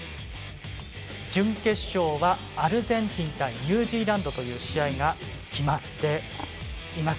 準決勝はアルゼンチン対ニュージーランドという試合が決まっています。